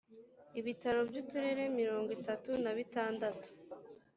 ibitaro by uturere mirongo itatu na bitandatu